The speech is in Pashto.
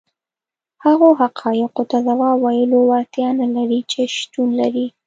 هغو حقایقو ته ځواب ویلو وړتیا نه لري چې شتون لري.